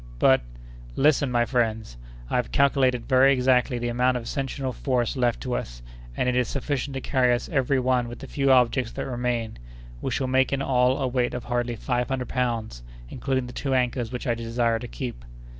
"But—" "Listen, my friends: I have calculated very exactly the amount of ascensional force left to us, and it is sufficient to carry us every one with the few objects that remain. We shall make in all a weight of hardly five hundred pounds, including the two anchors which I desire to keep."